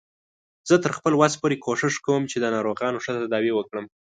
زه تر خپل وس پورې کوښښ کوم چې د ناروغانو ښه تداوی وکړم